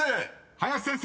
林先生］